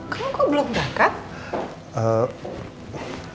kamu kok belum berangkat